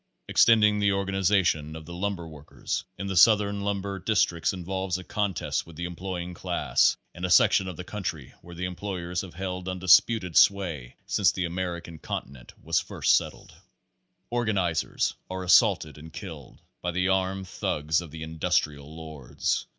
Extending the organization of the lumber workers in the southern lumber districts involves a contest with the employing class in a section of the country where the employers have held undisputed sway since the American continent was first settled. Page Twenty four Organizers are assaulted and killed by the armed thugs of the industrial lords.